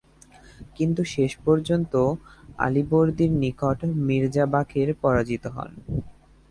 কিন্তু শেষ পর্যন্ত আলীবর্দীর নিকট মির্জা বাকের পরাজিত হন।